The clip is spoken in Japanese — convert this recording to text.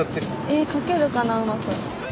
え描けるかなうまく。